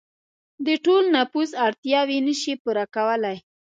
د ټول نفوس اړتیاوې نشي پوره کولای.